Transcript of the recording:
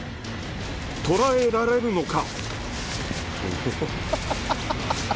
捕らえられるのか？